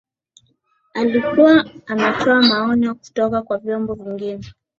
alikuwa anatoa maonyo kutoka kwa vyombo vingine